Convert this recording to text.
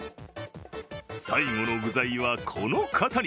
最後の具材は、この方に。